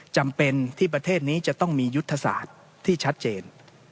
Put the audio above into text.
จำเป็นที่ประเทศนี้จะต้องมียุทธศาสตร์ที่ชัดเจน